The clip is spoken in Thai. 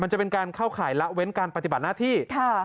จะเป็นการเข้าข่ายละเว้นการปฏิบัติหน้าที่